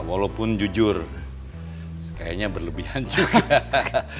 walaupun jujur kayaknya berlebihan juga